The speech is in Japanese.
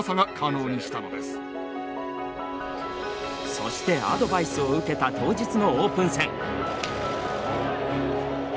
そしてアドバイスを受けた当日のオープン戦。